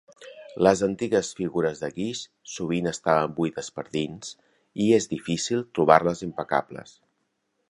Les antigues figures de guix sovint estaven buides per dins i és difícil trobar-les impecables.